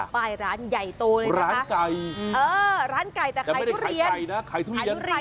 ปลายร้านใหญ่โตเลยนะคะร้านไก่เออร้านไก่แต่ขายทุเรียนแต่ไม่ได้ขายไก่นะขายทุเรียน